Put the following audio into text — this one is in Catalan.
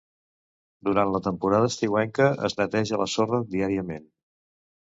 Durant la temporada estiuenca es neteja la sorra diàriament.